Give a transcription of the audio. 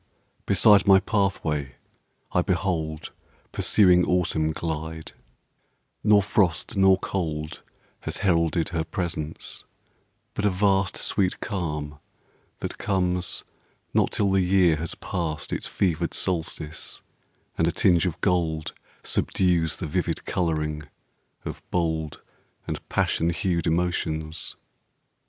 beside my path way I behold Pursuing Autumn glide: nor frost nor cold Has heralded her presence; but a vast Sweet calm that comes not till the year has passed Its fevered solstice, and a tinge of gold Subdues the vivid colouring of bold And passion hued emotions.